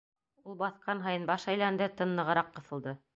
Ул баҫҡан һайын баш әйләнде, тын нығыраҡ ҡыҫылды.